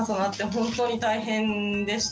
本当に大変でした。